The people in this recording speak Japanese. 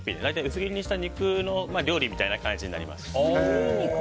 薄切りにした肉の料理みたいな感じになります。